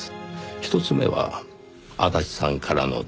１つ目は足立さんからの電話。